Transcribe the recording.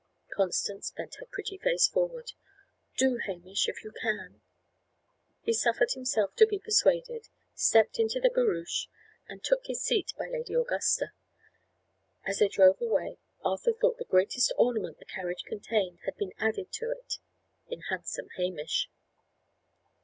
Constance bent her pretty face forward. "Do, Hamish, if you can!" He suffered himself to be persuaded, stepped into the barouche, and took his seat by Lady Augusta. As they drove away, Arthur thought the greatest ornament the carriage contained had been added to it in handsome Hamish.